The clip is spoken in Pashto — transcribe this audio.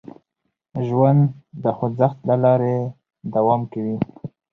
ژوند د خوځښت له لارې دوام کوي.